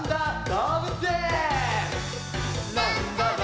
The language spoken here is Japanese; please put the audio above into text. どうぶつえん」